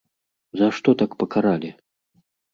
За што так пакаралі?!